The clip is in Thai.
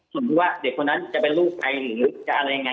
ส่วนที่ว่าเด็กคนนั้นจะเป็นลูกใครหรือจะอะไรยังไง